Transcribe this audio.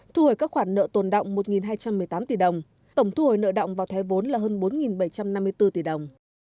thu hồi các khoản nợ tồn động một hai trăm một mươi tám tỷ đồng tổng thu hồi nợ động vào thoái vốn là hơn bốn bảy trăm năm mươi bốn tỷ đồng